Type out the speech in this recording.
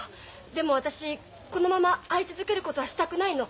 でも私このまま会い続けることはしたくないの。